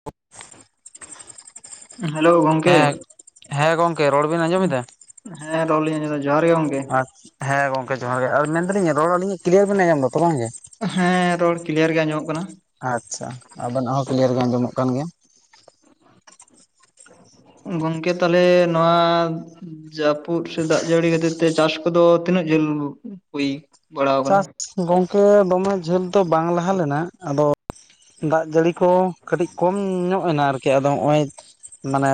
[inaudible] Hello ᱜᱚᱝᱠᱮ ᱦᱮᱸ ᱦᱮᱸ ᱜᱚᱝᱠᱮ ᱨᱚᱲ ᱵᱤᱱ ᱟᱸᱡᱚᱢ ᱮᱫᱟ? ᱦᱮᱸ ᱨᱚᱲᱞᱤᱧ ᱟᱡᱚᱢᱫᱟ ᱡᱚᱦᱟᱨ ᱜᱮ ᱜᱚᱝᱠᱮ ᱟᱪ ᱦᱮ ᱜᱚᱝᱠᱮ ᱡᱚᱦᱟᱨ ᱜᱮ ᱟᱨ ᱢᱮᱱᱫᱟᱞᱤᱧᱟ ᱨᱚᱲ ᱟᱞᱤᱧᱟᱜ ᱠᱞᱤᱭᱟᱨ ᱵᱮᱱ ᱟᱸᱡᱚᱢ ᱫᱟ ᱛᱚ ᱵᱟᱝ ᱜᱮ ᱦᱮᱸ ᱨᱚᱲ ᱠᱤᱞᱤᱭᱟᱨ ᱜᱮ ᱟᱸᱚᱢᱚᱜ ᱠᱟᱱᱟ ᱟᱪᱪᱷᱟ ᱟᱵᱮᱱᱟᱜ ᱦᱚᱸ ᱠᱤᱞᱤᱭᱟᱨ ᱜᱮ ᱟᱸᱡᱚᱢᱚᱜ ᱠᱟᱱ ᱜᱮᱭᱟ ᱜᱚᱝᱠᱮ ᱛᱟᱦᱚᱞᱮ ᱱᱚᱣᱟ ᱡᱟᱹᱯᱩᱫ ᱥᱮ ᱫᱟᱜ ᱡᱟᱹᱲᱤ ᱠᱷᱟᱹᱛᱤᱨ ᱛᱮ ᱪᱟᱥ ᱠᱚᱫᱚ ᱛᱤᱱᱟᱹᱜ ᱡᱷᱟᱹᱞ ᱦᱩᱭ ᱵᱟᱲᱟ ᱟᱠᱟᱱᱟ ᱪᱟᱥ ᱾ ᱜᱚᱝᱠᱮ ᱫᱚᱢᱮ ᱡᱷᱟᱹᱞ ᱫᱚ ᱵᱟᱝ ᱞᱟᱦᱟ ᱞᱮᱱᱟ ᱟᱫᱚ ᱫᱟᱜ ᱡᱟᱹᱲᱤ ᱠᱚ ᱠᱟᱹᱴᱤᱡ ᱠᱚᱢ ᱧᱚᱜ ᱮᱱᱟ ᱟᱨᱠᱤ ᱟᱫᱚ ᱱᱚᱜ ᱚᱭ ᱢᱟᱱᱮ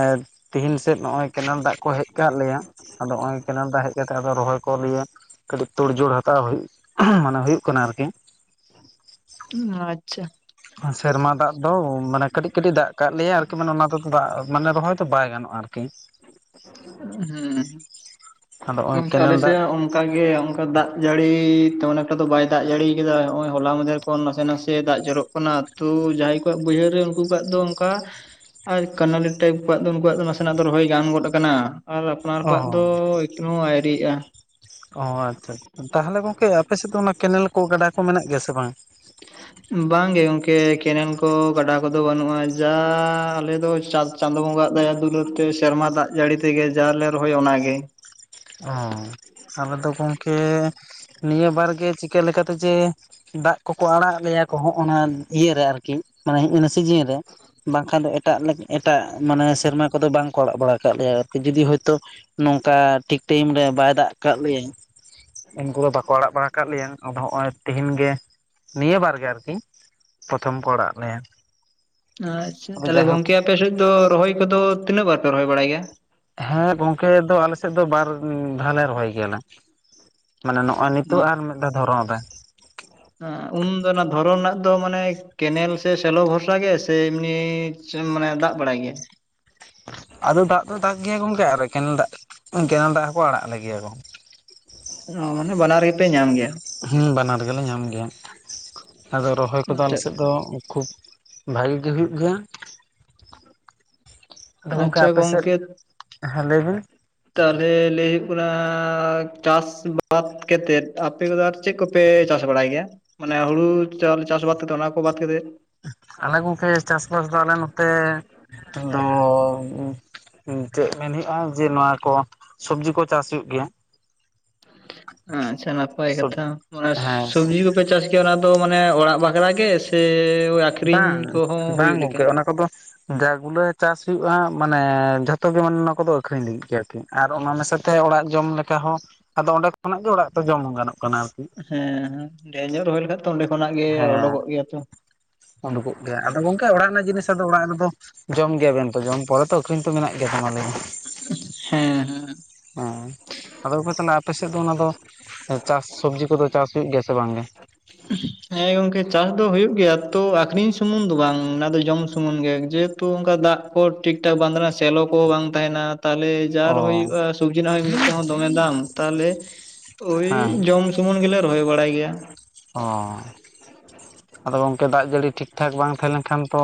ᱛᱤᱦᱤᱧ ᱥᱮᱫ ᱱᱚᱜ ᱚᱭ ᱠᱮᱱᱮᱞ ᱫᱟᱜ ᱠᱚ ᱦᱮᱡ ᱟᱠᱟᱫ ᱞᱮᱭᱟ ᱟᱫᱚ ᱱᱚᱜ ᱚᱚᱭ ᱠᱮᱱᱮᱞ ᱫᱟᱜ ᱦᱮᱡ ᱠᱟᱛᱮᱜ ᱨᱚᱦᱚᱭ ᱠᱚ ᱞᱤᱭᱮ ᱠᱟᱹᱴᱤᱡ ᱛᱳᱲᱡᱳᱲ ᱦᱟᱛᱟᱣ ᱦᱩᱭᱩᱜᱼᱟ ᱢᱟᱱᱮ ᱦᱩᱭᱩᱜ ᱠᱟᱱᱟ ᱟᱨᱠᱤ ᱟᱪᱪᱷᱟ ᱥᱮᱨᱢᱟ ᱫᱟᱜ ᱫᱚ ᱢᱟᱱᱮ ᱠᱟᱹᱴᱤᱡ ᱠᱟᱹᱴᱤᱡ ᱫᱟᱜ ᱠᱟᱜ ᱞᱮᱭᱟ ᱟᱨᱠᱤ ᱢᱟᱱᱮ ᱚᱱᱟ ᱫᱚ ᱫᱟᱜ ᱢᱟᱱᱮ ᱨᱚᱦᱚᱭ ᱫᱚ ᱵᱟᱭ ᱜᱟᱱᱚᱜᱼᱟ ᱟᱨᱠᱤ ᱟᱫᱚ ᱱᱚᱜᱼᱚᱭ ᱳᱸ ᱚᱱᱠᱟᱸ ᱟᱞᱮ ᱠᱮᱱᱮᱞ ᱥᱮ ᱫᱟᱜ ᱦᱚᱸ ᱚᱱᱠᱟ ᱜᱮ ᱚᱱᱠᱟ ᱫᱟᱜ ᱡᱟᱹᱲᱤ ᱛᱳᱚᱱᱠᱟ ᱫᱚ ᱵᱟᱭ ᱫᱟᱜ ᱡᱟᱹᱲᱤ ᱠᱟᱫᱟ ᱦᱚᱜᱼᱚᱭ ᱦᱚᱞᱟ ᱢᱟᱫᱷᱮᱨ ᱠᱷᱚᱱ ᱱᱟᱥᱮ ᱱᱟᱥᱮ ᱫᱟᱜ ᱡᱚᱨᱚᱜ ᱚᱱᱟ ᱟᱛᱩ ᱡᱟᱦᱟᱸᱭ ᱠᱚᱣᱟᱜ ᱵᱟᱹᱭᱦᱟᱹᱲ ᱨᱮ ᱩᱱᱠᱩ ᱠᱚᱣᱟᱜ ᱫᱚ ᱚᱱᱠᱟ ᱟᱨ ᱠᱟᱱᱟᱞᱤ ᱴᱟᱭᱤᱯ ᱠᱚᱣᱟᱜ ᱫᱚ ᱩᱱᱠᱩᱣᱟᱜ ᱫᱚ ᱱᱟᱥᱮᱱᱟᱜ ᱫᱚ ᱨᱚᱦᱚᱭ ᱜᱟᱱ ᱜᱚᱫ ᱟᱠᱟᱱᱟ ᱟᱨ ᱟᱯᱱᱟᱨ ᱠᱚᱣᱟᱜ ᱚ ᱫᱚ ᱮᱠᱱᱚ ᱟᱭᱨᱤᱜᱼᱟ ᱚᱳ ᱟᱪᱪᱷᱟ ᱟᱪᱷᱟ ᱛᱟᱦᱚᱞᱮ ᱜᱚᱝᱠᱮ ᱟᱯᱮᱥᱮᱫ ᱫᱚ ᱚᱱᱟ ᱠᱮᱱᱮᱞ ᱠᱚ ᱜᱟᱰᱟ ᱠᱚ ᱢᱮᱱᱟᱜ ᱜᱮᱭᱟ ᱥᱮ ᱵᱟᱝ [unintelligible] ᱵᱟᱝ ᱜᱮ ᱜᱚᱝᱠᱮ ᱠᱮᱱᱮᱞ ᱠᱚ ᱜᱟᱰᱟ ᱠᱚᱫᱚ ᱵᱟᱹᱱᱩᱜᱼᱟ ᱡᱟ ᱟᱞᱮ ᱫᱚ ᱪᱟ ᱪᱟᱸᱫᱳ ᱵᱚᱸᱜᱟᱜ ᱫᱟᱭᱟ ᱫᱩᱞᱟᱹᱲ ᱛᱮ ᱥᱮᱨᱢᱟ ᱫᱟᱜ ᱡᱟᱹᱲᱤ ᱛᱮᱜᱮ ᱡᱟᱞᱮ ᱨᱚᱦᱚᱭ ᱚᱱᱟᱜᱮ ᱦᱳ ᱟᱞᱮ ᱫᱚ ᱜᱚᱢᱠᱮ ᱱᱤᱭᱟᱹ ᱵᱟᱨ ᱜᱮ ᱪᱤᱠᱟᱹ ᱞᱮᱠᱟᱛᱮ ᱡᱮ ᱫᱟᱜ ᱠᱚᱠᱚ ᱟᱲᱟᱜ ᱞᱮᱭᱟ ᱠᱚ ᱦᱚᱜ ᱚᱱᱟ ᱤᱭᱟᱹᱨᱮ ᱟᱨᱠᱤ ᱢᱟᱱᱮ ᱥᱤᱡᱤᱱ ᱨᱮ ᱵᱟᱝᱠᱷᱟᱱ ᱫᱚ ᱮᱴᱟᱜ ᱮᱴᱟᱜ ᱢᱟᱱᱮ ᱥᱮᱨᱢᱟ ᱠᱚᱫᱚ ᱵᱟᱝᱠᱚ ᱟᱲᱟᱜ ᱵᱟᱲᱟ ᱠᱟᱫ ᱞᱮᱭᱟ ᱟᱨᱠᱤ ᱡᱩᱫᱤ ᱦᱳᱭᱛᱳ ᱱᱚᱝᱠᱟ ᱴᱷᱤᱠ ᱴᱟᱭᱤᱢ ᱨᱮ ᱵᱟᱭ ᱫᱟᱜ ᱠᱟᱫ ᱞᱮᱭᱟ ᱩᱱᱠᱩ ᱦᱚᱸ ᱵᱟᱠᱚ ᱟᱲᱟᱜ ᱵᱟᱲᱟ ᱠᱟᱜ ᱞᱮᱭᱟ ᱟᱨ ᱱᱚᱦᱚᱤ ᱛᱮᱦᱮᱧ ᱜᱮ ᱱᱤᱭᱟᱹ ᱵᱟᱨ ᱜᱮ ᱟᱨᱠᱤ ᱯᱨᱚᱛᱷᱚᱢ ᱠᱚ ᱚᱲᱟᱜ ᱞᱮᱭᱟ ᱟᱪᱪᱷᱟ ᱟᱫᱚ ᱛᱟᱦᱚᱞᱮ ᱡᱟᱭᱦᱳᱠ ᱜᱚᱝᱠᱮ ᱟᱯᱮᱥᱮᱫ ᱫᱚ ᱨᱚᱦᱚᱭ ᱠᱚᱫᱚ ᱛᱤᱱᱟᱹᱜ ᱵᱟᱨ ᱯᱮ ᱨᱚᱦᱚᱭ ᱵᱟᱲᱟᱭ ᱜᱮᱭᱟ ᱦᱮᱸ ᱜᱚᱝᱠᱮ ᱫᱚ ᱟᱞᱮᱥᱮᱫ ᱫᱚ ᱵᱟᱨ ᱫᱷᱟᱣ ᱞᱮ ᱨᱚᱦᱚᱭ ᱜᱮᱭᱟᱞᱮ ᱢᱟᱱᱮ ᱱᱚᱜᱼᱚᱭ ᱱᱤᱛᱳ ᱟᱨ ᱢᱤᱫ ᱫᱷᱟ ᱫᱷᱚᱨᱚᱱ ᱨᱮ ᱟᱸᱦ ᱩᱱᱫᱚ ᱚᱱᱟ ᱫᱷᱚᱨᱚᱱ ᱨᱮᱱᱟᱜ ᱫᱚ ᱢᱟᱱᱮ ᱠᱮᱱᱮᱞ ᱥᱮ ᱥᱮᱞᱚ ᱵᱷᱚᱨᱥᱟ ᱜᱮ ᱥᱮ ᱮᱢᱱᱤ ᱢᱟᱱᱮ ᱫᱟᱜ ᱵᱟᱲᱟᱭ ᱜᱮᱭᱟ᱾ ᱟᱫᱚ ᱫᱟᱜ ᱫᱚ ᱫᱟᱜ ᱜᱮᱭᱟ ᱜᱚᱢᱠᱮ ᱠᱮᱱᱮᱞ ᱫᱟᱜ ᱠᱮᱱᱮᱞ ᱫᱟᱜ ᱦᱚᱸᱠᱚ ᱟᱲᱟᱜ ᱞᱮᱜᱮᱭᱟ ᱠᱚ ᱳᱷ ᱢᱟᱱᱮ ᱵᱟᱱᱟᱨ ᱜᱮᱯᱮ ᱧᱟᱢ ᱜᱮᱭᱟ ᱦᱮᱸ ᱵᱟᱱᱟᱨ ᱜᱮᱞᱮ ᱧᱟᱢ ᱜᱮᱭᱟ ᱟᱫᱚ ᱨᱚᱦᱚᱭ ᱠᱚᱫᱚ ᱟᱪᱪᱷᱟ ᱟᱞᱮᱥᱮᱫ ᱫᱚ ᱩᱠᱷᱩᱵ ᱵᱷᱟᱜᱮ ᱜᱮ ᱦᱩᱭᱩᱜ ᱜᱮᱭᱟ ᱟᱫᱚ ᱜᱚᱝᱠᱮ ᱟᱪᱪᱷᱟ ᱟᱯᱮ ᱥᱮᱫ ᱜᱚᱝᱠᱮ ᱦᱮᱸ ᱞᱟᱹᱭ ᱵᱤᱱ ᱛᱟᱦᱚᱞᱮ ᱞᱟᱹᱭ ᱦᱩᱭᱩᱜ ᱠᱟᱱᱟ ᱪᱟᱥ ᱵᱟᱫᱽ ᱠᱟᱛᱮᱫ ᱟᱯᱮ ᱠᱚᱫᱚ ᱟᱨ ᱪᱮᱫ ᱠᱚᱯᱮ ᱪᱟᱥ ᱵᱟᱲᱟᱭ ᱜᱮᱭᱟ ᱢᱟᱱᱮ ᱦᱩᱲᱩ ᱪᱟᱣᱞᱮ ᱪᱟᱥ ᱵᱟᱫ ᱠᱟᱛᱮ ᱚᱱᱟ ᱠᱚ ᱵᱟᱫ ᱠᱟᱛᱮ ᱟᱞᱮ ᱜᱚᱝᱠᱮ ᱪᱟᱥᱵᱟᱥ ᱫᱚ ᱟᱞᱮ ᱱᱚᱛᱮ ᱫᱚ ᱪᱮᱫ ᱢᱮᱱ ᱦᱩᱭᱩᱜᱼᱟ ᱡᱮ ᱱᱚᱣᱟ ᱠᱚ ᱥᱚᱵᱡᱤ ᱠᱚ ᱪᱟᱥ ᱦᱩᱭᱩᱜ ᱜᱮᱭᱟ ᱟᱪᱪᱷᱟ ᱱᱟᱯᱟᱭ ᱠᱟᱛᱷᱟ ᱢᱟᱱᱮ ᱦᱮᱸ ᱥᱚᱵᱡᱤ ᱠᱚ ᱯᱮ ᱪᱟᱥ ᱜᱮᱭᱟ ᱚᱱᱟ ᱫᱚ ᱢᱟᱱᱮ ᱚᱲᱟᱜ ᱵᱟᱜᱽᱨᱟ ᱜᱮ ᱥᱮ ᱵᱟᱝ ᱟᱠᱷᱨᱤᱧ ᱠᱚᱦᱚᱸ ᱵᱟᱝ ᱦᱩᱭᱩᱜ ᱞᱮᱠᱟ? ᱜᱚᱝᱠᱮ ᱚᱱᱟ ᱠᱚᱫᱚ ᱡᱟ ᱜᱩᱞᱟᱹ ᱪᱟᱥ ᱦᱩᱭᱩᱜᱼᱟ ᱢᱟᱱᱮ ᱡᱷᱚᱛᱚ ᱜᱮ ᱢᱟᱱᱮ ᱱᱚᱣᱟ ᱠᱚᱫᱚ ᱟᱠᱷᱨᱤᱧ ᱞᱟᱹᱜᱤᱫᱤ ᱜᱮ ᱟᱨᱠᱤ ᱟᱨ ᱚᱱᱟ ᱢᱮᱥᱟᱛᱮ ᱚᱲᱟᱜ ᱡᱚᱢ ᱞᱮᱠᱟᱦ ᱟᱫᱚ ᱚᱸᱰᱮ ᱠᱷᱚᱱᱟᱜ ᱜᱮ ᱚᱲᱟᱜ ᱫᱚ ᱡᱚᱢ ᱜᱟᱱᱚᱜ ᱠᱟᱱᱟ ᱟᱨᱠᱤ ᱦᱮᱸ ᱧᱚᱜ ᱨᱚᱦᱚᱭ ᱞᱮᱠᱷᱟ ᱛᱚ ᱚᱸᱰᱮ ᱠᱷᱚᱱᱟᱜ ᱜᱮ ᱦᱮᱸ ᱚᱰᱩᱠᱚᱜ ᱜᱮᱭᱟ ᱛᱚ ᱩᱰᱩᱠᱚᱜ ᱜᱮᱭᱟ ᱟᱫᱚ ᱜᱚᱝᱠᱮ ᱚᱲᱟᱜ ᱨᱮᱱᱟᱜ ᱡᱤᱱᱤᱥ ᱟᱫᱚ ᱚᱲᱟᱜ ᱨᱮᱫᱚ ᱡᱚᱢ ᱜᱮᱭᱟᱵᱮᱱ ᱛᱚ ᱡᱚᱢ ᱯᱚᱨᱮ ᱛᱚ ᱟᱹᱠᱷᱨᱤᱧ ᱛᱚ ᱢᱮᱱᱟᱜ ᱜᱮ ᱛᱳ ᱞᱟᱹᱭ ᱦᱮᱸ ᱦᱮᱸ ᱦᱮᱸ ᱟᱫᱚ ᱛᱟᱦᱚᱞᱮ ᱟᱯᱮᱥᱮᱫ ᱫᱚ ᱚᱱᱟ ᱫᱚ ᱪᱟᱥ ᱥᱚᱵᱡᱤ ᱠᱚᱫᱚ ᱪᱟᱥ ᱦᱩᱭᱩᱜ ᱜᱮᱭᱟ ᱥᱮ ᱵᱟᱝᱜᱮ [inaudible] ᱦᱮᱸ ᱜᱚᱝᱠᱮ ᱪᱟᱥ ᱫᱚ ᱦᱩᱭᱩᱜ ᱜᱮᱭᱟ ᱛᱚ ᱟᱠᱷᱨᱤᱧ ᱥᱩᱢᱩᱝ ᱫᱚ ᱵᱟᱝ ᱚᱱᱟ ᱫᱚ ᱡᱚᱢ ᱥᱩᱢᱩᱝ ᱜᱮ ᱡᱮ ᱛᱩ ᱚᱱᱠᱟ ᱫᱟᱜ ᱠᱚ ᱴᱷᱤᱠ ᱴᱷᱟᱠ ᱵᱟᱝ ᱛᱟᱦᱱᱟ ᱥᱮᱞᱚ ᱠᱚᱦᱚᱸ ᱵᱟᱝ ᱛᱟᱦᱮᱱᱟ ᱛᱟᱦᱚᱞᱮᱼᱼ ᱡᱟᱨ ᱚ ᱦᱩᱭᱩᱜᱼᱟ ᱥᱚᱵᱡᱤ ᱨᱮᱱᱟᱜ ᱛᱮᱦᱚᱸ ᱫᱚᱢᱮ ᱫᱟᱢ ᱛᱟᱦᱚᱞᱮ ᱳᱭ ᱦᱮᱸ ᱡᱚᱢ ᱡᱮᱢᱚᱱ ᱜᱮᱞᱮ ᱨᱚᱦᱚᱭ ᱵᱟᱲᱟᱭ ᱜᱮᱭᱟ᱾ ᱚᱷ ᱟᱫᱚ ᱜᱚᱝᱠᱮ ᱫᱟᱜ ᱡᱟᱹᱲᱤ ᱴᱷᱤᱠᱴᱷᱟᱠ ᱵᱟᱝ ᱛᱟᱦᱮᱸ ᱞᱮᱱᱠᱷᱟᱱ ᱛᱚ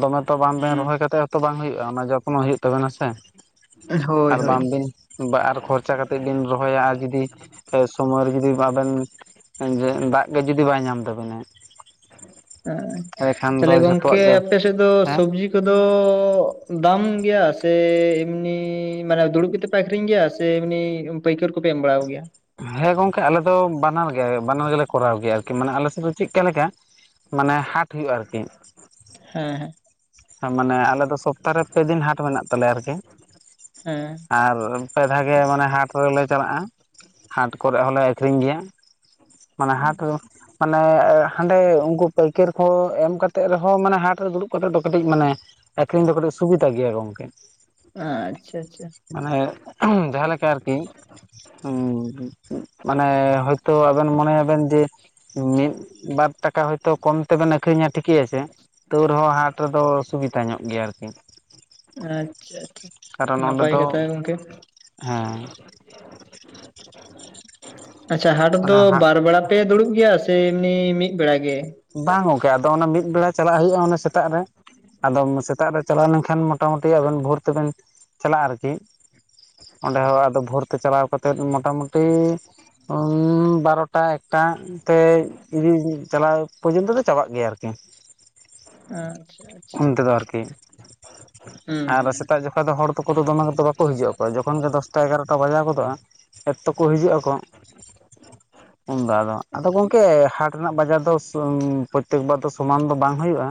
ᱫᱚᱢᱮ ᱛᱚ ᱵᱟᱝ ᱵᱮᱱ ᱦᱩᱸ ᱨᱚᱦᱚᱭ ᱠᱟᱛᱮ ᱦᱚᱸᱛᱚ ᱵᱟᱝ ᱦᱩᱭᱩᱜᱼᱟ ᱚᱱᱟ ᱡᱚᱠᱷᱚᱱᱳ ᱦᱳ ᱛᱟᱵᱮᱱᱟ ᱥᱮ ᱦᱳᱭ ᱟᱨ ᱦᱳᱭ ᱵᱟᱝᱵᱤᱱ ᱵᱟ ᱟᱨ ᱠᱷᱚᱨᱪᱟ ᱠᱟᱛᱮᱜ ᱵᱮᱤᱱ ᱨᱚᱦᱚᱭᱟ ᱡᱩᱫᱤ ᱥᱚᱢᱚᱭ ᱨᱮ ᱡᱩᱫᱤ ᱟᱵᱮᱱ ᱫᱟᱜ ᱜᱮ ᱡᱩᱫᱤ ᱵᱟᱭ ᱧᱟᱢ ᱛᱟᱵᱤᱱᱟ ᱫᱚ ᱦᱷ--ᱛᱟᱦᱚᱞᱮ ᱡᱷᱚᱛᱚᱣᱟᱜ ᱜᱚᱝᱠᱮ ᱜᱮ ᱟᱯᱮ ᱥᱮᱫ ᱫᱚ ᱦᱮᱸ ᱥᱚᱵᱡᱤ ᱛᱚ ᱫᱚ ᱫᱟᱢ ᱜᱭᱟ ᱥᱮ ᱮᱢᱱᱤ ᱢᱟᱱᱮ ᱫᱩᱲᱩᱵ ᱠᱮᱛᱮᱜᱼᱼ ᱯᱮ ᱟᱹᱠᱷᱨᱤᱧ ᱜᱤᱭᱟ ᱥᱮ ᱮᱢᱱᱤ‌ ᱯᱟᱹᱭᱠᱟᱹᱨᱤ ᱠᱚᱯᱮ ᱮᱢ ᱵᱟᱲᱟᱣ ᱠᱚ ᱜᱮᱭᱟ? ᱦᱮᱸ ᱜᱚᱝᱠᱮ ᱟᱞᱮ ᱫᱚ ᱵᱟᱱᱟᱨ ᱜᱮ ᱵᱟᱱᱟᱨ ᱜᱮᱞᱮ ᱠᱚᱨᱟᱣ ᱜᱮᱭᱟ ᱟᱨᱠᱤ ᱢᱟᱱᱮ ᱟᱞᱮ ᱥᱮᱫ ᱫᱚ ᱪᱤᱫᱠᱟ‌ ᱞᱮᱠᱟ ᱢᱟᱱᱮ ᱦᱟᱴ ᱦᱩᱭᱩᱜ-ᱟ ᱟᱨ ᱠᱤ᱾ ᱦᱮᱸ ᱦᱮᱸ᱾ ᱟᱸ ᱢᱟᱱᱮ ᱟᱞᱮ ᱫᱚ ᱥᱚᱯᱛᱟ ᱨᱮ ᱯᱮ ᱫᱤᱱ ᱦᱟᱴ ᱢᱮᱱᱟᱜ ᱛᱟᱞᱮᱭᱟ ᱟᱨᱠᱤ᱾ ᱦᱮᱸ᱾ ᱟᱨ ᱯᱮ ᱫᱷᱟᱣ ᱜᱮ ᱢᱟᱱᱮ ᱦᱟᱴ ᱨᱮᱞᱮ ᱪᱟᱞᱟᱜ-ᱟ᱾ ᱦᱟᱴ ᱠᱚᱨᱮᱜ ᱦᱚᱸᱞᱮ ᱟᱹᱠᱷᱨᱤᱧ ᱜᱮᱭᱟ ᱢᱟᱱᱮ ᱦᱟᱴ ᱦᱮᱸ ᱨᱮ ᱢᱟᱱᱮ ᱮ ᱦᱟᱸᱰᱮ ᱩᱱᱠᱩ ᱯᱟᱹᱭᱠᱟᱹᱨᱤ ᱠᱚ ᱮᱢ ᱠᱟᱛᱮᱜ ᱨᱮᱦᱚᱸ ᱢᱟᱱᱮ ᱦᱟᱴ ᱨᱮ ᱫᱩᱲᱩᱵ ᱠᱟᱛᱮᱜ ᱫᱚᱼᱼ ᱠᱟᱹᱴᱤᱡ ᱢᱟᱱᱮ ᱟᱹᱠᱷᱨᱤᱧ ᱫᱚ ᱠᱟᱹᱴᱤᱡ ᱥᱩᱵᱤᱫᱟ ᱜᱮᱭᱟ ᱜᱚᱝᱠᱮ᱾ ᱟᱪᱪᱷᱟ ᱟᱪᱪᱷᱟ᱾ ᱢᱟᱱᱮ ᱡᱟᱦᱟᱸ ᱞᱮᱠᱟ ᱟᱨ ᱠᱤᱼᱼ ᱩᱸ ᱢᱟᱱᱮ ᱦᱳᱭᱛᱚ ᱟᱵᱮᱱ ᱢᱚᱱᱮ ᱭᱟᱵᱮᱱ ᱡᱮᱼᱼ ᱢᱤᱫ ᱵᱟᱨ ᱴᱟᱠᱟ ᱦᱳᱭᱛᱚ ᱠᱚᱢ ᱛᱮᱵᱮᱱ ᱟᱹᱠᱷᱨᱤᱧᱟ ᱴᱷᱤᱠᱮ ᱟᱪᱷᱮ ᱛᱟᱹᱣ ᱨᱮᱦᱚᱸ ᱦᱟᱴᱼᱼ ᱨᱮᱫᱚ ᱥᱩᱵᱤᱛᱟ ᱧᱚᱜ ᱜᱮᱭᱟ ᱟᱨᱠᱤ᱾ ᱟᱸᱪᱪᱷᱟ ᱟᱪᱷᱟ ᱠᱟᱨᱚᱱ ᱚᱸᱰᱮ ᱱᱟᱯᱟᱭ ᱫᱚ ᱠᱟᱛᱷᱟ ᱜᱚᱝᱠᱮ᱾ ᱦᱮᱸ [inaudible] ᱟᱪᱪᱷᱟ ᱦᱟᱴ ᱫᱚ ᱚᱱᱟ ᱦᱟᱜ ᱵᱟᱨ ᱵᱮᱲᱟᱼᱼ ᱯᱮ ᱫᱩᱲᱩᱵ ᱜᱮᱭᱟ ᱥᱮ ᱮᱢᱱᱤ ᱢᱤᱫ ᱵᱮᱲᱟ ᱜᱮ? ᱵᱟᱝ ᱜᱚᱝᱠᱮ ᱟᱫᱚ ᱚᱱᱮ ᱢᱤᱫ ᱵᱮᱲᱟ ᱪᱟᱞᱟᱜ ᱦᱩᱭᱩᱜ-ᱟ ᱚᱱᱮ ᱥᱮᱛᱟᱜ ᱨᱮ᱾ ᱟᱫᱚᱢ ᱥᱮᱛᱟᱜ ᱨᱮ ᱪᱟᱞᱟᱣ ᱞᱮᱱᱠᱷᱟᱱ ᱢᱚᱴᱟᱼᱢᱩᱴᱤ ᱟᱵᱮᱱ ᱵᱷᱳᱨ ᱛᱮᱵᱮᱱ ᱪᱟᱞᱟᱜ-ᱟ ᱟᱨ ᱠᱤ᱾ ᱚᱸᱰᱮ ᱦᱚᱸ ᱟᱫᱚ ᱵᱷᱳᱨ ᱛᱮ ᱪᱟᱞᱟᱣ ᱠᱟᱛᱮᱫ ᱢᱚᱴᱟᱼᱢᱩᱴᱤ ᱩᱸ ᱵᱟᱨᱚ ᱴᱟ ᱮᱠᱴᱟ ᱛᱮ ᱡᱩᱫᱤ ᱤᱸ ᱪᱟᱞᱟᱣᱼᱼ ᱯᱚᱨᱡᱚᱱᱛᱚ ᱛᱮ ᱫᱚ ᱪᱟᱵᱟᱜ ᱜᱮᱭᱟ ᱟᱨ ᱠᱤ᱾ ᱟᱪᱪᱷᱟ᱾ ᱟᱪᱪᱷᱟ ᱩᱱ ᱛᱮᱫᱚ ᱟᱨᱠᱤ ᱦᱩᱸ ᱟᱨ ᱦᱩᱸ ᱥᱮᱛᱟᱜ ᱡᱚᱠᱼᱼ ᱚᱱᱠᱟ ᱫᱚ ᱦᱚᱲ ᱛᱚᱠᱚ ᱫᱚᱢᱮ ᱠᱚᱫᱚ ᱵᱟᱠᱚ ᱦᱤᱡᱩᱜ-ᱟ ᱠᱚ ᱡᱚᱠᱷᱚᱱ ᱜᱮ ᱫᱚᱥᱴᱟ ᱮᱜᱟᱨᱚ ᱴᱟ ᱵᱟᱡᱟᱣ ᱜᱚᱫᱚᱜ-ᱟ᱾ ᱮᱛ ᱛᱚ ᱠᱚ ᱦᱤᱡᱩᱜ-ᱟ ᱠᱚᱼᱼ [inaudible] ᱩᱱ ᱫᱚ ᱟᱫᱚ ᱟᱫᱚ ᱜᱚᱝᱠᱮ ᱦᱟᱴ ᱨᱮᱱᱟᱜ ᱵᱟᱡᱟᱨ ᱫᱚ ᱥᱚᱢ ᱯᱨᱚᱛᱮᱠ ᱵᱟᱨ ᱫᱚ ᱥᱚᱢᱟᱱ ᱫᱚ ᱵᱟᱝ ᱦᱩᱭᱩᱜ-ᱟ᱾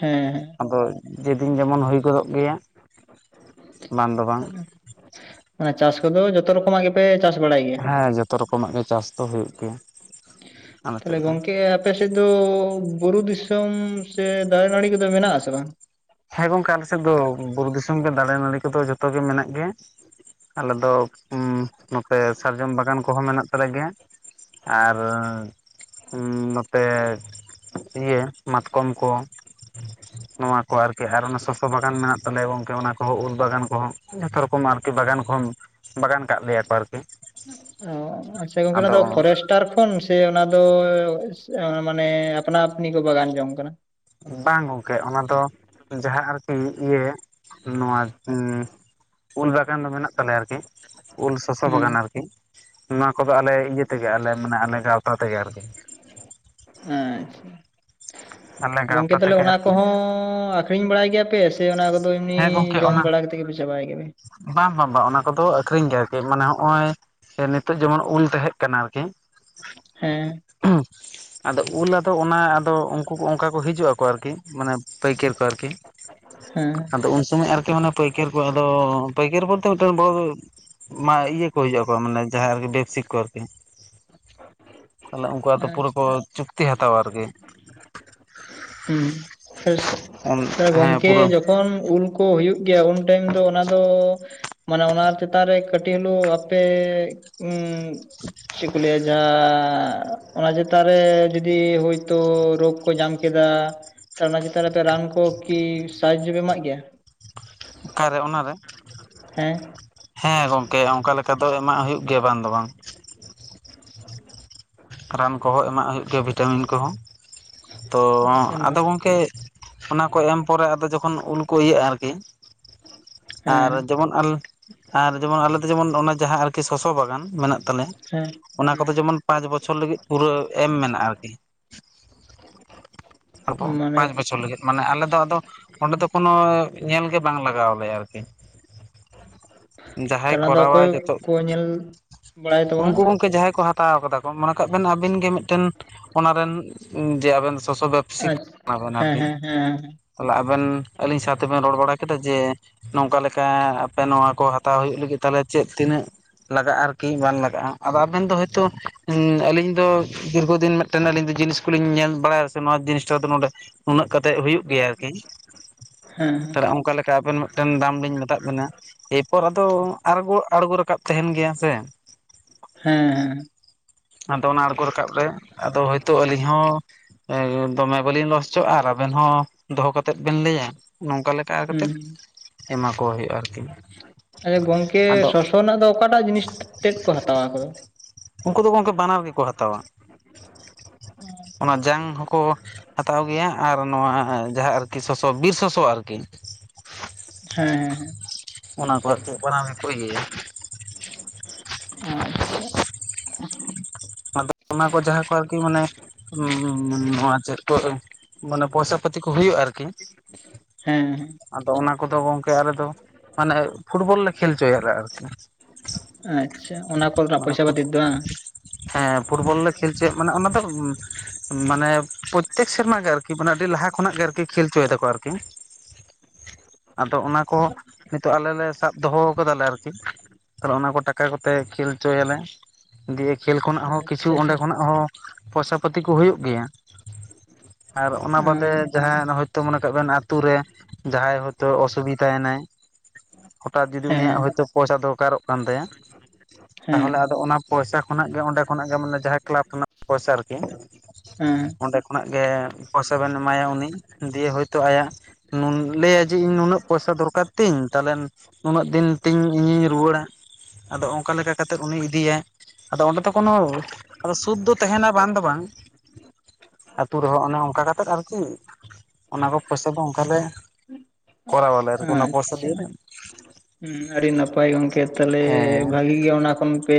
ᱦᱮᱸ ᱦᱮᱸ᱾ ᱟᱫᱚ ᱡᱮ ᱫᱤᱱ ᱡᱮᱢᱚᱱ ᱦᱩᱭ ᱜᱚᱫᱚᱜ ᱜᱮᱭᱟ ᱵᱟᱝ ᱫᱚ ᱵᱟᱝ᱾ ᱢᱟᱱᱮ ᱪᱟᱥ ᱠᱚᱫᱚ ᱡᱚᱛᱚ ᱨᱚᱠᱚᱢᱟᱜ ᱜᱤᱼᱼ ᱯᱮ ᱪᱟᱥ ᱵᱟᱲᱟᱭ ᱜᱮᱭᱟ? ᱦᱮᱸ ᱡᱚᱛᱚ ᱨᱚᱠᱚᱢᱟᱜ ᱜᱮ ᱪᱟᱥ ᱫᱚ ᱦᱚᱭᱚᱜ ᱜᱮᱭᱟ᱾ ᱟᱞᱮ ᱛᱟᱦᱞᱮ ᱥᱮᱫ ᱫᱚ ᱜᱚᱝᱠᱮ ᱟᱯᱮ ᱥᱮᱜ ᱫᱚ ᱵᱩᱨᱩ ᱫᱤᱥᱚᱢ ᱥᱮ ᱫᱟᱨᱮ ᱱᱟᱲᱤ ᱠᱚᱫᱚ ᱢᱮᱱᱟᱜ-ᱟ ᱥᱮ ᱵᱟᱝ? ᱦᱮᱸ ᱜᱚᱝᱠᱮ ᱟᱞᱮ ᱥᱮᱫ ᱫᱚ ᱵᱩᱨᱩ ᱫᱤᱥᱚᱢ ᱜᱮ ᱫᱟᱲᱮ ᱱᱟᱹᱲᱤ ᱠᱚᱫᱚ ᱡᱚᱛᱚ ᱜᱮ ᱢᱮᱱᱟᱜ ᱜᱮᱭᱟ᱾ ᱟᱞᱮ ᱫᱚ ᱩᱸ ᱱᱚᱛᱮ ᱥᱟᱨᱡᱚᱢ ᱵᱟᱜᱟᱱ ᱠᱚᱦᱚᱸ ᱢᱮᱱᱟᱜ ᱛᱟᱞᱮ ᱜᱮᱭᱟ᱾ ᱟᱨ ᱩᱸᱢ‌ ᱱᱚᱛᱮᱼᱼ ᱤᱭᱟᱹ ᱢᱟᱛᱠᱚᱢ ᱠᱚ ᱱᱚᱣᱟ ᱟᱨᱠᱤ ᱟᱨ ᱚᱱᱟ ᱥᱚᱥᱚ ᱵᱟᱜᱟᱱ ᱢᱮᱱᱟᱜ ᱛᱟᱞᱮᱭᱟ ᱜᱚᱝᱠᱮ ᱚᱱᱟ ᱠᱚᱦᱚᱸ ᱩᱞ ᱵᱟᱜᱟᱱ ᱠᱚᱦᱚᱸ, ᱡᱷᱚᱛᱚ ᱨᱚᱠᱚᱢ ᱟᱨᱠᱤ ᱵᱟᱜᱟᱱ ᱠᱚᱦᱚᱸ᱾ ᱵᱟᱜᱟᱱ ᱠᱟᱜ ᱞᱮᱭᱟ ᱠᱚ ᱟᱨᱠᱤ ᱚ, ᱟᱪᱪᱷᱟ ᱜᱚᱝᱠᱮ ᱚᱱᱟ ᱫᱚ ᱟᱫᱚ ᱯᱷᱚᱨᱮᱥᱴ ᱠᱟᱨ ᱠᱷᱚᱱ ᱥᱮ ᱚᱱᱟ ᱫᱚᱻᱮ‌ ᱥᱮ ᱚ ᱢᱟᱱᱮ ᱟᱯᱱᱟ ᱟᱹᱯᱱᱤ ᱠᱚ ᱵᱟᱜᱟᱱ ᱡᱚᱝ ᱠᱟᱱᱟ᱾ ᱵᱟᱝ ᱜᱚᱝᱠᱮ ᱚᱱᱟ ᱫᱚ ᱡᱟᱦᱟᱸ ᱟᱨᱠᱤ ᱤᱭᱟᱹ ᱱᱚᱣᱟ ᱩᱸ ᱩᱞ ᱵᱟᱜᱟᱱ ᱫᱚ ᱢᱮᱱᱟᱜ ᱛᱟᱞᱮᱭᱟ ᱟᱨᱠᱤ᱾ ᱩᱞ ᱥᱚᱥᱚ ᱦᱩᱸ ᱵᱟᱜᱟᱱ ᱟᱨᱠᱤ ᱱᱚᱶᱟ ᱠᱚᱫᱚ ᱟᱞᱮ ᱤᱭᱟᱹ ᱛᱮᱜᱮ ᱟᱞᱮ ᱢᱟᱱᱮ ᱟᱞᱮ ᱜᱟᱶᱛᱟ ᱛᱮᱜᱮ ᱟᱨᱠᱤ᱾ ᱟᱸᱪᱪᱷᱟ, ᱟᱞᱮ [inaudible] ᱜᱚᱝᱠᱮ ᱜᱟᱶᱛᱟ ᱛᱟᱦᱚᱞᱮ ᱛᱮᱜᱮ ᱚᱱᱟ ᱟᱨᱠᱤ ᱠᱚᱦᱚᱸᱟᱨᱼᱼ ᱟᱠᱷᱨᱤᱧ ᱵᱟᱲᱟᱭ ᱜᱮᱭᱟ ᱯᱮ ᱥᱮ ᱚᱱᱟ ᱠᱚᱫᱚ ᱮᱢᱱᱤ ᱦᱮᱸ ᱜᱚᱝᱠᱮ ᱡᱚᱢ ᱚᱱᱟ ᱵᱟᱲᱟ ᱠᱟᱛᱮᱜ ᱜᱮᱯᱮ‌ ᱪᱟᱵᱟᱭ ᱜᱮᱭᱟ ᱯᱮ? ᱵᱟᱝ ᱵᱟᱝ ᱵᱟᱝ ᱚᱱᱟ ᱠᱚᱫᱚ ᱟᱹᱠᱷᱨᱤᱧ ᱜᱮ ᱟᱨᱠᱤ ᱢᱟᱱᱮ ᱦᱚᱸᱜ-ᱚᱭᱼᱼ ᱡᱮ ᱱᱤᱛᱚᱜ ᱡᱮᱢᱚᱱ ᱩᱞ ᱛᱟᱦᱮᱸ ᱠᱟᱱᱟ ᱟᱨᱠᱤᱼᱼ ᱦᱮᱸ᱾ [unintelligible] ᱟᱫᱚ ᱩᱞ ᱟᱫᱚ ᱚᱱᱟ ᱟᱫᱚ ᱩᱱᱠᱩ ᱚᱱᱠᱟ ᱠᱚ ᱦᱤᱡᱩᱜ ᱟᱠᱚ ᱟᱨᱠᱤ ᱢᱟᱱᱮ ᱯᱟᱹᱭᱠᱟᱹᱨ ᱠᱚ ᱟᱨᱠᱤ [unintelligible] ᱟᱫᱚ ᱩᱱ ᱥᱚᱢᱚᱭ ᱟᱨᱠᱤ ᱢᱟᱱᱮ ᱯᱟᱹᱭᱠᱟᱹᱨ ᱠᱚ ᱟᱫᱚ ᱯᱟᱹᱭᱠᱟᱹᱨ ᱵᱚᱞᱛᱮ ᱢᱤᱫᱴᱮᱱ ᱢᱟ ᱤᱭᱟᱹ ᱠᱚ ᱦᱤᱡᱩᱜᱼᱟ ᱠᱚ ᱢᱟᱱᱮ ᱡᱟᱦᱟᱸ ᱟᱨᱠᱤ ᱵᱮᱯᱥᱤᱠ ᱠᱚ ᱟᱨᱠᱤ ᱛᱟᱦᱚᱞᱮ ᱩᱱᱠᱩᱣᱟᱜ ᱫᱚ ᱯᱩᱨᱟᱹ ᱠᱚ ᱟᱪᱪᱷᱟ ᱪᱩᱠᱛᱤ ᱦᱟᱛᱟᱣᱟ ᱟᱨᱠᱤ᱾ ᱦᱩᱸ ᱦᱮᱸ [unintelligible] ᱜᱚᱝᱠᱮ ᱯᱩᱨᱟᱹ ᱼᱼ ᱡᱚᱠᱷᱚᱱ ᱩᱞ ᱠᱚ ᱦᱩᱭᱩᱜ ᱜᱮᱭᱟ ᱩᱱ ᱴᱟᱭᱤᱢ ᱫᱚ ᱚᱱᱟ ᱫᱚ ᱢᱟᱱᱮ ᱚᱱᱟ ᱪᱮᱛᱟᱱ ᱨᱮ ᱠᱟᱹᱴᱤᱡ ᱦᱤᱞᱳᱜ ᱟᱯᱮ ᱪᱮᱫ ᱠᱩ ᱞᱟᱸᱭᱟ ᱡᱟ ᱚᱱᱟ ᱪᱮᱛᱟᱱ ᱨᱮ ᱡᱩᱫᱤ ᱦᱚᱳᱭᱛᱳ ᱨᱳᱜ ᱠᱚ ᱧᱟᱢ ᱠᱮᱫᱟ ᱛᱚ ᱚᱱᱟ ᱪᱮᱛᱟᱱ ᱨᱮ ᱟᱯᱮ ᱨᱟᱱ ᱠᱚ ᱠᱤ ᱥᱟᱦᱟᱡᱡᱚ ᱯᱮ ᱮᱢᱟᱜ ᱜᱮᱭᱟ᱾ ᱚᱠᱟᱨᱮ ᱚᱱᱟᱨᱮ ᱦᱮᱸ ᱦᱮᱸ ᱜᱚᱝᱠᱮ ᱚᱱᱠᱟ ᱞᱮᱠᱟ ᱫᱚ ᱮᱢᱟᱜ ᱦᱩᱭᱩᱜ ᱜᱮᱭᱟ ᱵᱟᱝ ᱫᱚ ᱵᱟᱝ ᱨᱟᱱ ᱠᱚᱦᱚᱸ ᱮᱢᱟᱜ ᱦᱩᱭᱩᱜ ᱜᱮᱭᱟ᱾ ᱵᱷᱤᱴᱟᱢᱤᱱ ᱠᱚᱦᱚᱸ ᱛᱚ ᱟᱪᱪᱷᱟ ᱟᱫᱚ ᱜᱚᱝᱠᱮ ᱚᱱᱟ ᱠᱚ ᱮᱢ ᱯᱚᱨᱮ ᱟᱫᱚ ᱡᱚᱠᱷᱚᱱ ᱩᱞ ᱠᱚ ᱤᱭᱟᱹᱜᱼᱟ ᱟᱨᱠᱤ, ᱟᱨ ᱦᱮᱸ ᱡᱮᱢᱚᱱ ᱟᱨ ᱡᱮᱢᱚᱱ ᱟᱞᱮ ᱫᱚ ᱡᱮᱢᱚᱱ ᱚᱱᱟ ᱡᱟᱦᱟᱸ ᱟᱨᱠᱤ ᱥᱚᱥᱚ ᱵᱟᱜᱟᱱ ᱢᱮᱱᱟᱜ ᱛᱟᱞᱮᱭᱟ ᱦᱮᱸ ᱚᱱᱟ ᱠᱚᱫᱚ ᱡᱮᱢᱚᱱ ᱯᱟᱸᱪ ᱵᱚᱪᱷᱚᱨ ᱯᱩᱨᱟᱹ ᱮᱢ ᱢᱮᱱᱟᱜᱼᱟ ᱟᱨᱠᱤ ᱢᱟᱱᱮ ᱵᱚᱪᱷᱚᱨ ᱞᱟᱹᱜᱤᱫ ᱢᱟᱱᱮ ᱟᱞᱮ ᱫᱚ ᱟᱫᱚ ᱚᱸᱰᱮ ᱫᱚ ᱠᱳᱱᱳ ᱧᱮᱞ ᱜᱮ ᱵᱟᱝ ᱞᱟᱜᱟᱣ ᱟᱞᱮᱭᱟ ᱟᱨᱠᱤ᱾ ᱡᱟᱦᱟᱸᱭ ᱛᱟᱞᱟ ᱫᱚ ᱚᱠᱚᱭ ᱠᱚᱨᱟᱭ ᱡᱚᱛᱚ ᱠᱚ ᱧᱮᱞ ᱵᱟᱲᱟᱭ ᱛᱟᱵᱚᱱᱟ ᱩᱱᱠᱩ ᱦᱚᱠᱤ ᱡᱟᱦᱟᱸᱭ ᱠᱚ ᱦᱟ ᱦᱟᱛᱟᱣ ᱠᱟᱫᱟ ᱠᱚ ᱢᱚᱱᱮ ᱠᱟᱜ ᱵᱮᱱ ᱟᱵᱤᱱ ᱜᱮ ᱢᱤᱫᱴᱮᱱ ᱚᱱᱟᱨᱮᱱ ᱡᱮ ᱟᱵᱮᱱ ᱥᱚᱥᱚ ᱵᱮᱯᱥᱤᱠ ᱠᱟᱱᱟᱵᱮᱱ ᱟᱪᱪᱷᱟ ᱦᱮᱸ ᱟᱨᱠᱤ ᱦᱮᱸ ᱦᱮᱸ [unintelligible] ᱛᱟᱦᱚᱞᱮ ᱟᱵᱮᱱ ᱟᱹᱞᱤᱧ ᱥᱟᱶᱛᱮ ᱵᱮᱱ ᱨᱚᱲ ᱵᱟᱲᱟ ᱠᱮᱫᱟ ᱡᱮ ᱱᱚᱝᱠᱟ ᱞᱮᱠᱟ ᱟᱯᱮ ᱱᱚᱣᱟ ᱠᱚ ᱦᱟᱛᱟᱣ ᱦᱩᱭᱩᱜ ᱞᱟᱹᱜᱤᱫ ᱛᱟᱦᱚᱞᱮ ᱪᱮᱫ ᱛᱤᱱᱟᱹᱜ ᱞᱟᱜᱟᱜᱼᱟ, ᱟᱨᱠᱤ ᱵᱟᱝ ᱞᱟᱜᱟᱜᱼᱟ? ᱟᱫᱚ ᱟᱵᱮᱱ ᱫᱚ ᱦᱚᱭᱛᱳ ᱦᱸ ᱟᱞᱤᱧ ᱫᱚ ᱫᱤᱨᱜᱷ ᱫᱤᱱ ᱢᱤᱫᱴᱮᱱ ᱟᱹᱞᱤᱧ ᱫᱚ ᱡᱤᱱᱤᱥ ᱠᱚᱞᱤᱧ ᱧᱮᱞ ᱵᱟᱲᱟᱭᱟ ᱥᱮ ᱱᱚᱶᱟ ᱡᱤᱱᱤᱥᱴᱟ ᱫᱚ ᱱᱚᱰᱮ ᱩᱱᱟᱹᱜ ᱠᱟᱛᱮᱜ ᱦᱩᱭᱩᱜ ᱜᱮᱭᱟ ᱟᱨᱠᱤ ᱦᱮᱸ ᱛᱟᱦᱚᱞᱮ ᱚᱱᱠᱟ ᱞᱮᱠᱟ ᱟᱵᱮᱱ ᱢᱤᱫᱴᱮᱱ ᱫᱟᱢ ᱞᱤᱧ ᱢᱮᱛᱟᱫ ᱵᱮᱱᱟ᱾ ᱮᱨᱯᱚᱨ ᱟᱫᱚ ᱟᱲᱜᱚ ᱟᱲᱜᱚ ᱨᱟᱠᱟᱵ ᱛᱟᱦᱮᱱ ᱜᱮᱭᱟ ᱥᱮ ᱦᱮᱸ ᱦᱮᱸ ᱟᱫᱚ ᱚᱱᱟ ᱟᱲᱜᱚ ᱨᱟᱠᱟᱵ ᱨᱮ ᱟᱫᱚ ᱦᱚᱭᱛᱳ ᱟᱹᱞᱤᱧ ᱦᱚᱸ ᱫᱚᱢᱮ ᱵᱟᱹᱞᱤᱧ ᱞᱚᱥ ᱦᱚᱪᱚᱜᱼᱟ, ᱟᱨ ᱟᱵᱮᱱ ᱦᱚᱸ ᱫᱚᱦᱚ ᱠᱟᱛᱮᱜ ᱵᱮᱱ ᱞᱟᱹᱭᱟ, ᱱᱚᱝᱠᱟ ᱞᱮᱠᱟ ᱠᱟᱛᱮᱫ ᱮᱢᱟ ᱠᱚ ᱦᱩᱭᱩᱜᱼᱟ ᱟᱨᱠᱤ ᱦᱩᱸ ᱜᱚᱝᱠᱮ ᱟᱫᱚ ᱥᱚᱥᱚ ᱨᱮᱱᱟᱜ ᱫᱚ ᱚᱠᱟᱴᱟᱜ ᱡᱤᱱᱤᱥ ᱛᱮᱫ ᱠᱚ ᱦᱟᱛᱟᱣᱟ ᱩᱱᱠᱩ ᱫᱚ ᱜᱚᱝᱠᱮ ᱵᱟᱱᱟᱨ ᱜᱮᱠᱚ ᱦᱟᱛᱟᱣᱟ ᱚᱱᱟ ᱡᱟᱝ ᱦᱚᱸᱠᱚ ᱦᱟᱛᱟᱣ ᱜᱮᱭᱟ ᱟᱨ ᱱᱚᱣᱟ ᱡᱟᱦᱟᱸ ᱟᱨᱠᱤ ᱥᱚᱥᱚ ᱵᱤᱨ ᱥᱚᱥᱚ ᱟᱨᱠᱤ ᱦᱮᱸ ᱚᱱᱟ ᱠᱚᱛᱮᱫ ᱵᱟᱱᱟ ᱦᱮᱠᱚᱭ ᱜᱮ ᱟᱪᱪᱷᱟ ᱟᱫᱚ ᱚᱱᱟ ᱠᱚ ᱡᱟᱦᱟᱸ ᱠᱚ ᱟᱨᱠᱤ ᱢᱟᱱᱮ [unintelligible] ᱱᱚᱣᱟ ᱪᱮᱫ ᱠᱚᱨᱮ? ᱢᱟᱱᱮ ᱯᱚᱭᱥᱟ ᱯᱟᱛᱤ ᱠᱚ ᱦᱩᱭᱩᱜᱼᱟ ᱟᱨᱠᱤ᱾ ᱦᱮᱸ ᱟᱫᱚ ᱚᱱᱟ ᱠᱚᱫᱚ ᱜᱚᱝᱠᱮ ᱟᱞᱮ ᱫᱚ ᱢᱟᱱᱮ ᱯᱷᱩᱴᱵᱚᱞ ᱞᱮ ᱠᱷᱮᱞ ᱦᱚᱪᱚᱭᱟᱞᱮ ᱟᱨᱠᱤ ᱟᱪᱪᱷᱟ ᱚᱱᱟ ᱠᱚᱨᱮᱱᱟᱜ ᱢᱟᱱᱮ ᱯᱚᱭᱥᱟ ᱯᱟᱛᱤ ᱫᱚ ᱵᱟᱝ? ᱦᱮᱸ ᱯᱷᱩᱴᱵᱚᱞ ᱞᱮ ᱠᱷᱮᱞ ᱦᱚᱪᱚᱭᱟ, ᱢᱟᱱᱮ ᱚᱱᱟ ᱫᱚ ᱢᱟᱱᱮ ᱯᱨᱚᱛᱮᱠ ᱥᱮᱨᱢᱟ ᱜᱮ ᱟᱨᱠᱤ ᱢᱟᱱᱮ ᱟᱹᱰᱤ ᱞᱟᱦᱟ ᱠᱷᱚᱱᱟᱜ ᱜᱮ ᱟᱨᱠᱤ ᱠᱷᱮᱞ ᱦᱚᱪᱚᱭᱮᱫᱟᱠᱚ ᱟᱨᱠᱤ [inaudible] ᱟᱫᱚ ᱚᱱᱟ ᱠᱚ ᱱᱤᱛᱚᱜ ᱟᱞᱮ ᱞᱮ ᱥᱟᱵ ᱫᱚᱦᱚ ᱠᱟᱫᱟᱞᱮ ᱟᱨᱠᱤ᱾ᱛᱟᱦᱚᱞᱮ ᱚᱱᱟ ᱠᱚ ᱴᱟᱠᱟ ᱠᱚᱛᱮ ᱠᱷᱮᱞ ᱦᱚᱪᱚᱭ ᱟᱞᱮ᱾ ᱫᱤᱭᱮ ᱠᱷᱮᱞ ᱠᱷᱚᱱᱟᱜ ᱦᱚᱸ ᱠᱤᱪᱷᱩ ᱟᱪᱪᱷᱟ ᱚᱸᱰᱮ ᱟᱪᱪᱷᱟ ᱠᱷᱚᱱᱟᱜ ᱦᱚᱸ ᱯᱚᱭᱥᱟ ᱯᱟᱛᱤ ᱠᱚ ᱦᱩᱭᱩᱜ ᱜᱮᱭᱟ ᱟᱨ ᱚᱱᱟ ᱵᱟᱫᱮ ᱟᱪᱪᱷᱟ ᱡᱟᱦᱟᱸ ᱛᱚ ᱢᱚᱱᱮ ᱠᱟᱜ ᱵᱮᱱ ᱟᱛᱳ ᱨᱮ ᱡᱟᱦᱟᱸᱭ ᱦᱚᱭᱛᱚ ᱚᱥᱩᱵᱤᱫᱟᱭᱱᱟᱭ ᱦᱚᱴᱟᱛ ᱡᱩᱫᱤ ᱩᱱᱤᱭᱟᱜ ᱦᱮᱸ ᱦᱚᱭᱛᱚ ᱯᱚᱭᱥᱟ ᱫᱚᱨᱠᱟᱨᱚᱜ ᱠᱟᱱ ᱛᱟᱭᱟ ᱦᱮᱸ ᱛᱟᱦᱚᱞᱮ ᱟᱫᱚ ᱚᱱᱟ ᱯᱚᱭᱥᱟ ᱠᱷᱚᱱᱟᱜ ᱜᱮ ᱚᱸᱰᱮ ᱠᱷᱚᱱᱟᱜ ᱜᱮ ᱢᱟᱱᱮ ᱡᱟᱦᱟᱸᱭ ᱠᱞᱟᱵᱽ ᱠᱷᱚᱱᱟᱜ ᱯᱚᱭᱥᱟ ᱟᱨᱠᱤ ᱦᱮᱸ ᱚᱸᱰᱮ ᱠᱷᱚᱱᱟᱜ ᱜᱮ ᱯᱚᱭᱥᱟ ᱵᱮᱱ ᱮᱢᱟᱭᱟ ᱩᱱᱤ ᱡᱚᱫᱤ ᱦᱳᱭᱛᱳ ᱟᱭᱟᱜ ᱱᱩᱠᱩ ᱟᱡᱤ ᱱᱩᱱᱟᱹᱜ ᱯᱚᱭᱥᱟ ᱫᱚᱨᱠᱟᱨ ᱛᱤᱧ ᱛᱟᱦᱚᱞᱮ ᱩᱱᱟᱹᱜ ᱫᱤᱱ ᱛᱤᱧ ᱤᱧᱤᱧ ᱨᱩᱣᱟᱹᱲᱟ ᱟᱫᱚ ᱚᱱᱠᱟ ᱞᱮᱠᱟ [inaudible] ᱤᱫᱤᱭᱮ ᱟᱫᱚ ᱚᱸᱰᱮ ᱫᱚ ᱠᱳᱱᱳ ᱥᱩᱫ ᱫᱚ ᱛᱮᱦᱮᱱᱟ ᱵᱟᱝ ᱫᱚ ᱵᱟᱝ ᱟᱛᱩ ᱨᱮᱦᱚᱸ ᱚᱱᱮ ᱚᱱᱠᱟ ᱠᱟᱛᱮᱫ ᱟᱨᱠᱤ ᱚᱱᱟ ᱠᱚ ᱯᱚᱭᱥᱟ ᱠᱚ ᱚᱱᱠᱟ ᱜᱮ ᱠᱚᱨᱟᱣ ᱟᱞᱮ ᱚᱱᱟ ᱟᱪᱪᱷᱟ ᱯᱚᱨᱥᱟᱫᱤᱱ ᱟᱹᱰᱤ ᱱᱟᱯᱟᱭ ᱜᱚᱝᱠᱮ ᱛᱟᱦᱞᱮ ᱵᱷᱟᱜᱤ ᱜᱮ ᱚᱱᱟ ᱠᱷᱚᱱ ᱯᱮ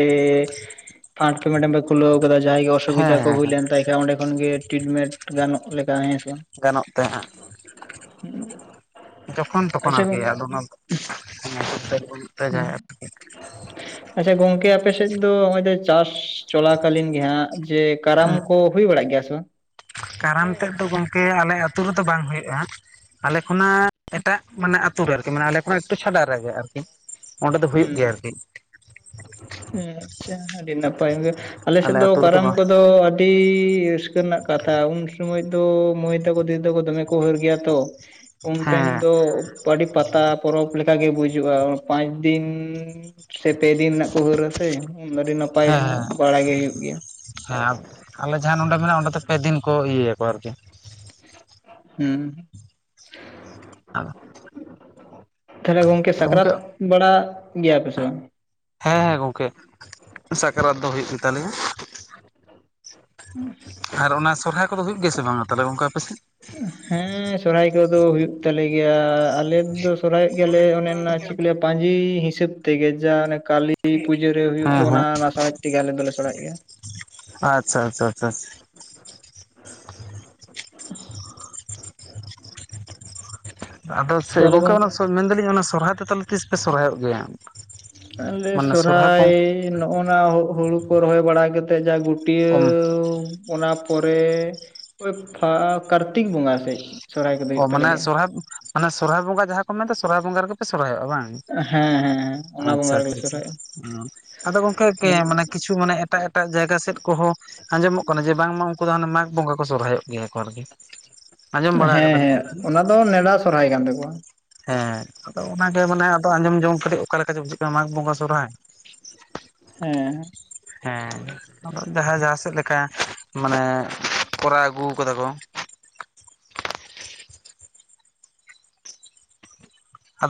ᱯᱷᱟᱸᱴ ᱢᱮᱰᱟᱢ ᱯᱮ ᱠᱷᱩᱞᱟᱹᱣ ᱟᱠᱟᱫᱟ ᱡᱟᱦᱟᱸᱭ ᱜᱮ ᱦᱮᱸ ᱚᱥᱩᱵᱤᱫᱟ ᱠᱚ ᱦᱮᱸ ᱦᱩᱭ ᱦᱮᱸ ᱞᱮᱱ ᱛᱟᱭ ᱡᱟ ᱚᱸᱰᱮ ᱠᱷᱚᱱ ᱜᱮ ᱴᱤᱴᱢᱮᱱᱴ ᱜᱟᱱᱚᱜ ᱞᱮᱠᱟ ᱦᱮᱸᱥᱮ ᱜᱟᱱᱚᱜ ᱛᱮᱸᱦᱟᱜ ᱡᱚᱠᱷᱚᱱ ᱛᱚᱠᱷᱚᱱ ᱟᱪᱪᱷᱟ ᱟᱨᱠᱤ ᱦᱩᱸ ᱟᱰᱚ [inaudible] [inaudible] ᱟᱪᱷᱟ ᱜᱚᱝᱠᱮ ᱟᱯᱮ ᱥᱮᱫ ᱫᱚ ᱱᱚᱜ-ᱚᱭ ᱪᱟᱥ ᱪᱚᱞᱟᱠᱟᱞᱤᱱ ᱜᱮᱦᱟᱸᱜ ᱡᱮ ᱠᱟᱨᱟᱢ ᱠᱚ ᱦᱩᱭ ᱵᱟᱲᱟᱜ ᱜᱮᱭᱟ ᱥᱮ ᱵᱟᱝ ᱠᱟᱨᱟᱢ ᱛᱮᱫ ᱫᱚ ᱜᱚᱢᱠᱮ ᱟᱞᱮ ᱟᱹᱛᱩ ᱨᱮᱫᱚ ᱵᱟᱝ ᱦᱩᱭᱩᱜ-ᱟ ᱟᱞᱮ ᱠᱷᱚᱱᱟᱜ ᱮᱴᱟᱜ ᱢᱟᱱᱮ ᱟᱛᱩ ᱨᱮ ᱟᱨᱠᱤ ᱢᱟᱱᱮ ᱟᱞᱮ ᱠᱷᱚᱱᱟᱜ ᱮᱠᱴᱩ ᱪᱷᱟᱰᱟ ᱨᱮᱜᱮ ᱟᱨᱠᱤ ᱚᱸᱰᱮ ᱫᱚ ᱦᱩᱭᱩᱜ ᱜᱮᱭᱟ ᱟᱨᱠᱤ ᱦᱩᱸ ᱟᱪᱷᱟ ᱟᱹᱰᱤ ᱱᱟᱯᱟᱭ ᱜᱮ ᱟᱞᱮ ᱥᱮᱫ ᱫᱚ ᱟᱹᱛᱩ ᱨᱮᱫᱚ ᱠᱟᱨᱟᱢ ᱵᱟᱝ ᱠᱚᱫᱚ ᱟᱹᱰᱤ ᱨᱟᱹᱥᱠᱟᱹ ᱨᱮᱱᱟᱜ ᱠᱟᱛᱷᱟ ᱩᱱ ᱥᱚᱢᱚᱭ ᱫᱚ ᱢᱟᱹᱭ ᱛᱟᱠᱚ ᱫᱤᱫᱤ ᱛᱟᱠᱚ ᱫᱚᱢᱮ ᱩᱦᱟᱹᱨ ᱜᱮᱭᱟ ᱛᱚ ᱩᱱ ᱴᱟᱭᱤᱢ ᱦᱮᱸ ᱫᱚ ᱯᱟᱰᱤ ᱯᱟᱛᱟ ᱯᱚᱨᱚᱵᱽ ᱞᱮᱠ ᱜᱮ ᱵᱩᱡᱩᱜ-ᱟ᱾ ᱯᱟᱸᱪᱫᱤᱱ ᱥᱮ ᱯᱮ ᱫᱤᱱ ᱨᱮᱱᱟᱜ ᱠᱚ ᱦᱟᱹᱨᱟᱥᱮ ᱟᱹᱰᱤ ᱱᱟᱯᱟᱭ ᱵᱟᱲᱟ ᱜᱮ ᱦᱩᱭᱩᱜ ᱜᱮᱭᱟ ᱥᱟᱵ ᱟᱞᱮ ᱡᱟᱦᱟᱸ ᱱᱚᱰᱮ ᱠᱷᱚᱱᱟᱜ-ᱟ ᱚᱸᱰᱮ ᱫᱚ ᱯᱮᱫᱤᱱ ᱠᱚ ᱤᱭᱟᱹᱭᱟᱠᱚ ᱟᱨᱠᱤ ᱦᱩᱸ ᱟᱵ ᱛᱟᱦᱚᱞᱮ ᱜᱚᱝᱠᱮ ᱥᱟᱠᱨᱟᱛ ᱵᱟᱲᱟᱜ ᱜᱮᱭᱟᱯᱮ ᱥᱮ ᱵᱟᱝ ᱦᱮᱸ ᱦᱮᱸ ᱜᱚᱝᱠᱮ ᱥᱟᱠᱨᱟᱛ ᱫᱚ ᱦᱩᱭᱩᱜ ᱜᱮᱛᱟᱞᱮᱭᱟ ᱦᱩᱸ ᱟᱨ ᱚᱱᱟ ᱥᱚᱨᱦᱟᱭ ᱠᱚᱫᱚ ᱦᱩᱭᱩᱜ ᱜᱮᱭᱟᱥᱮ ᱵᱟᱝᱟ ᱛᱟᱦᱚᱞᱮ ᱚᱱᱠᱟ ᱟᱯᱮᱥᱮᱫ ᱦᱮᱸ ᱥᱚᱨᱦᱟᱭ ᱠᱚᱫᱚ ᱦᱩᱭᱩᱜ ᱛᱟᱞᱮ ᱜᱮᱭᱟ ᱟᱞᱮ ᱛᱮᱫᱚ ᱥᱚᱨᱦᱟᱭᱚᱜ ᱜᱮᱭᱟᱞᱮ ᱚᱱᱮ ᱦᱮᱸ ᱪᱮᱫ ᱞᱟᱹᱭᱟᱠᱚ ᱯᱟᱸᱡᱤ ᱦᱤᱥᱟᱹᱵ ᱛᱮᱜᱮ ᱡᱟ ᱚᱱᱮ ᱠᱟᱞᱤ ᱛᱤ ᱯᱩᱡᱟᱹ ᱨᱮ ᱦᱩᱭᱩᱜ ᱫᱚ ᱦᱮᱸ ᱚᱱᱟ ᱱᱟᱥᱟᱲᱮᱡ ᱛᱮᱜᱮ ᱟᱞᱮ ᱫᱚᱞᱮ ᱥᱮᱲᱟᱭᱮᱫ ᱜᱮᱭᱟ ᱟᱪᱷᱟ ᱟᱪᱷᱟ ᱟᱪᱷᱟ ᱟᱫᱚ ᱥᱮ ᱛᱟᱦᱚᱞᱮ ᱜᱚᱝᱠᱮ ᱜᱚᱝ ᱚᱱᱮ ᱢᱮᱱᱫᱟᱞᱤᱧ ᱚᱱᱟ ᱥᱚᱨᱦᱟᱭ ᱛᱟᱦᱞᱮ ᱛᱤᱥ ᱯᱮ ᱥᱚᱨᱦᱟᱭᱚᱜ ᱜᱮᱭᱟ ᱟᱞᱮ ᱢᱟᱱᱮ ᱥᱚᱨᱦᱟᱭ ᱵᱚᱝ ᱱᱚᱜ ᱱᱟ ᱦᱩᱲᱩ ᱠᱚ ᱨᱚᱦᱚᱭ ᱵᱟᱲᱟ ᱠᱟᱛᱮᱫ ᱡᱟ ᱜᱩᱴ ᱚ ᱯᱟᱹᱴᱭᱟᱹᱣ ᱚᱱᱟ ᱯᱚᱨᱮ ᱳᱭ ᱠᱟᱨᱛᱤᱠ ᱵᱚᱸᱜᱟ ᱥᱮᱫ ᱚ ᱢᱟᱱᱮ ᱥᱚᱨᱦᱟᱭ ᱢᱟᱱᱮ ᱥᱚᱨᱦᱟᱭ ᱵᱚᱸᱜᱟ ᱡᱟᱦᱟᱸ ᱠᱚ ᱢᱮᱱᱫᱟ ᱥᱚᱨᱦᱟᱭ ᱵᱚᱸᱜᱟ ᱨᱮᱜᱮᱯᱮ ᱥᱚᱨᱦᱟᱭᱚᱜ-ᱟ᱾ ᱵᱟᱝ ᱦᱮᱸ ᱦᱮᱸ ᱦᱮᱸ ᱚᱱᱟ ᱟᱪᱷᱟ ᱵᱚᱸᱜᱟ ᱨᱮᱜᱮᱞᱮ ᱟᱪᱷᱟ ᱥᱚᱨᱦᱟᱭᱚᱜᱼᱟ ᱟᱫᱚ ᱜᱚᱝᱠᱮ ᱦᱮᱸ ᱠᱮᱸ ᱠᱤᱪᱷᱩ ᱢᱟᱱᱮ ᱮᱴᱟᱜ ᱮᱴᱟᱜ ᱡᱟᱭᱜᱟ ᱥᱮᱫ ᱠᱚᱦᱚᱸ ᱟᱸᱡᱚᱢᱚᱜ ᱠᱟᱱᱟ ᱡᱮ ᱵᱟᱝᱢᱟ ᱩᱱᱠᱩ ᱫᱚ ᱦᱮᱸ ᱢᱟᱜᱽ ᱵᱚᱸᱜᱟ ᱠᱚ ᱥᱚᱨᱦᱟᱭᱚᱜ ᱜᱮᱭᱟᱠᱚ ᱟᱨᱠᱤ ᱟᱸᱡᱚᱢ ᱵᱟᱲᱟ ᱠᱟᱫᱟᱞᱤᱧ ᱦᱮᱸ ᱟᱨᱠᱤ ᱚᱱᱟ ᱫᱚ ᱱᱮᱰᱟ ᱥᱚᱨᱦᱟᱭ ᱠᱟᱱ ᱛᱟᱠᱚᱣᱟ ᱦᱮᱸ ᱟᱫᱚ ᱚᱱᱟᱜᱮ ᱢᱟᱱᱮ ᱟᱫᱚ ᱟᱸᱡᱚᱢ ᱡᱚᱝ ᱠᱟᱹᱴᱤᱡ ᱚᱠᱟ ᱞᱮᱠᱟ ᱪᱚ ᱵᱩᱡᱷᱟᱹᱜ ᱠᱟᱱᱟ ᱢᱟᱜᱽ ᱵᱚᱸᱜᱟ ᱥᱚᱨᱦᱟᱭ ᱦᱮᱸ ᱦᱮᱸ ᱡᱟᱦᱟᱸ ᱡᱟᱦᱟᱸ ᱥᱮᱫ ᱞᱮᱠᱟ ᱢᱟᱱᱮ ᱠᱚᱨᱟᱣ ᱟᱹᱜᱩ ᱠᱟᱫᱟ ᱠᱚ ᱟᱫᱚ